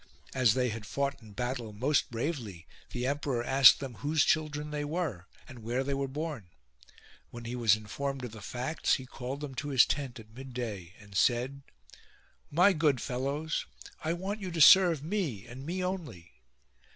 As they had fought in battle most bravely, the emperor asked them whose children they were, and where they were born. When he was informed of the facts, he called them to his tent at midday and said : "My good fellows, I want you to serve me, and me only."